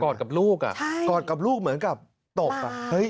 กอดกับลูกอ่ะใช่ตายกอดกับลูกเหมือนกับตบ